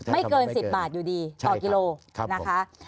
เกิน๑๐บาทอยู่ดีต่อกิโลนะคะ